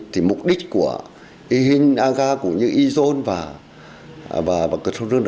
thì mục đích của ihin aga cũng như izon và cơ sở rươn